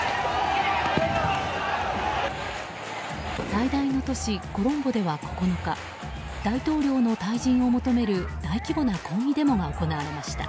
最大の都市コロンボでは９日大統領の退陣を求める大規模な抗議デモが行われました。